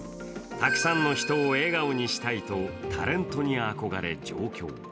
たくさんの人を笑顔にしたいとタレントにあこがれ上京。